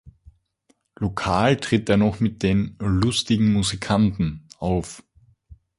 Lokal tritt er noch mit den „Lustigen Musikanten“ auf.